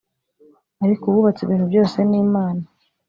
ariko uwubatse ibintu byose ni imana